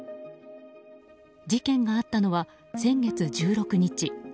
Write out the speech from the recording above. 事件があったのは先月１６日。